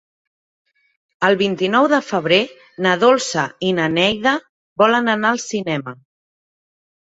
El vint-i-nou de febrer na Dolça i na Neida volen anar al cinema.